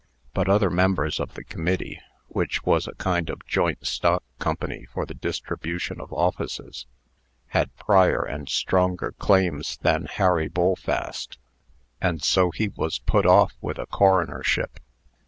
But other members of the committee (which was a kind of joint stock company for the distribution of offices) had prior and stronger claims than Harry Bullfast, and so he was put off with a coronership.